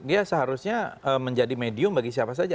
dia seharusnya menjadi medium bagi siapa saja